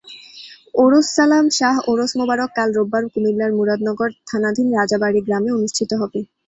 ওরসছালাম শাহ ওরস মোবারক কাল রোববার কুমিল্লার মুরাদনগর থানাধীন রাজাবাড়ি গ্রামে অনুষ্ঠিত হবে।